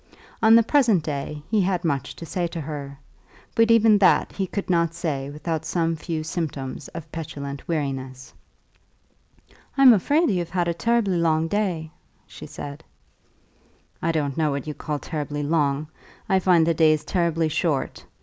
On the present day he had much to say to her, but even that he could not say without some few symptoms of petulant weariness. "I'm afraid you've had a terrible long day," she said. "I don't know what you call terribly long. I find the days terribly short.